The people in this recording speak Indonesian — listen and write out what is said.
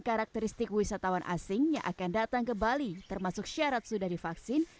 karakteristik wisatawan asing yang akan datang ke bali termasuk syarat sudah divaksin